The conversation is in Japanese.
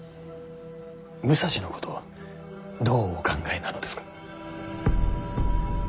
武蔵のことどうお考えなのですか。